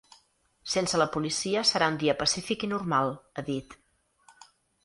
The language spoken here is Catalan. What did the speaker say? Sense la policia serà un dia pacífic i normal, ha dit.